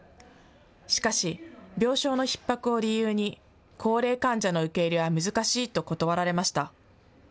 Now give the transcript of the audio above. しかし病床のひっ迫を理由に高齢患者の受け入れは難しいと断られました。